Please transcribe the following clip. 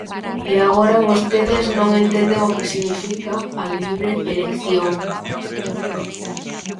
¿E agora vostedes non entenden o que significa a libre elección?